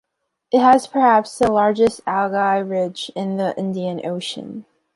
It has perhaps the largest algal ridge in the Indian Ocean.